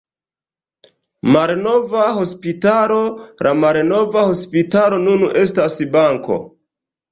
Malnova hospitalo: La malnova hospitalo nun estas banko.